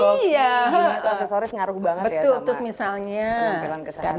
masa aksesoris ngaruh banget ya sama penampilan kesahian